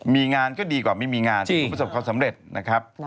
มีงานก็ดีกว่าไม่มีงานประสบความสำเร็จนะครับ